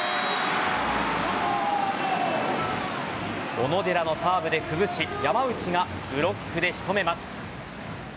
小野寺のサーブで崩し山内がブロックで仕留めます。